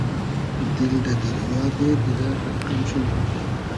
دیل دۂ دئریا دې دیدۂ غئرق ام شونی